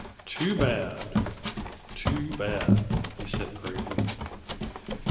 "Too bad too bad!" he said gravely.